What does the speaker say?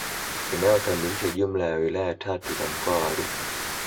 Inayokamilisha jumla ya wilaya tatu za mkoa wa Rukwa